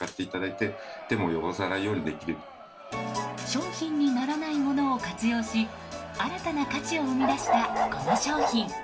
商品にならないものを活用し新たな価値を生み出したこの商品。